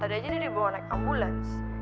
tadi aja nih dibawa naik ambulans